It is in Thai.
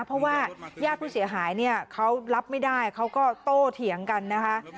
เพราะว่าญาติผู้เสียหายเนี่ยเขารับไม่ได้เขาก็โตเถียงกันนะคะ